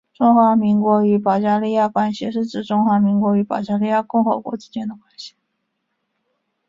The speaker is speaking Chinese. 中华民国与保加利亚关系是指中华民国与保加利亚共和国之间的关系。